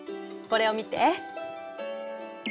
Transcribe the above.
これを見て。